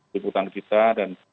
di putang kita dan